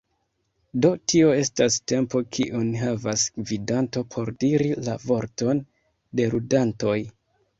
Do tio estas tempo kiun havas gvidanto por diri la vorton de ludantoj.